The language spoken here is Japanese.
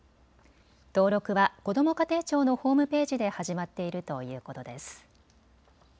登録はこども家庭庁のホームページで始まっているということです。